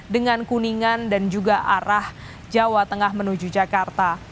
dengan kuningan dan juga arah jawa tengah menuju jakarta